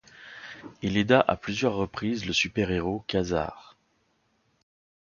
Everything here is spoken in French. Il aida à plusieurs reprises le super-héros Quasar.